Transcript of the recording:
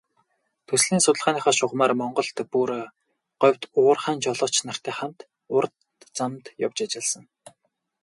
Төслийн судалгааныхаа шугамаар Монголд, бүр говьд уурхайн жолооч нартай хамт урт замд явж ажилласан.